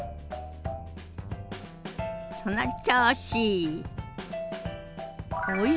その調子！